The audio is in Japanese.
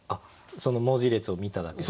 その文字列を見ただけで？